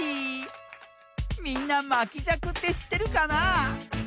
みんなまきじゃくってしってるかな？